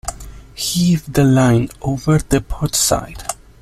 Heave the line over the port side.